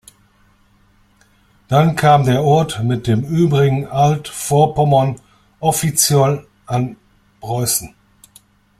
Dann kam der Ort mit dem übrigen Altvorpommern offiziell an Preußen.